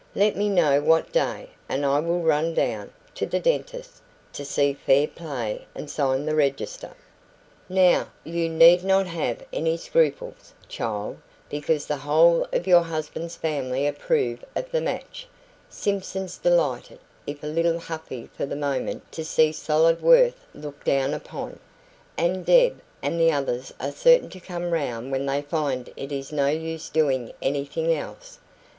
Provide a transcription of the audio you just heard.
Let me know what day, and I will run down (to the dentist) to see fair play and sign the register. "Now, you need not have any scruples, child, because the whole of your husband's family approve of the match (Simpsons delighted, if a little huffy for the moment to see solid worth looked down upon), and Deb and the others are certain to come round when they find it is no use doing anything else.